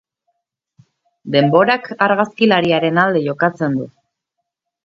Denborak argazkilariaren alde jokatzen du.